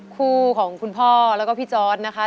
คู่ของคุณพ่อแล้วก็พี่จอร์ดนะคะ